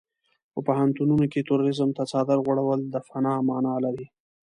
په پوهنتونونو کې تروريزم ته څادر غوړول د فناه مانا لري.